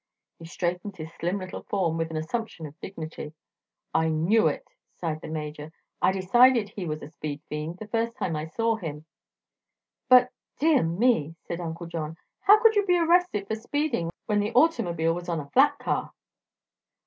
He straightened his slim little form with an assumption of dignity. "I knew it," sighed the Major. "I decided he was a speed fiend the first time I saw him." "But dear me!" said Uncle John; "how could you be arrested for speeding when the automobile was on a fiat car?"